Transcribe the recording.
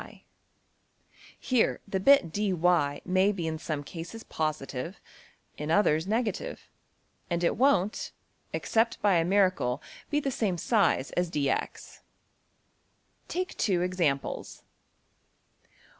Here the bit~$dy$ may be in some cases positive, in others negative; and it won't (except by a miracle) be the same size as~$dx$. \Subsection{Take two examples.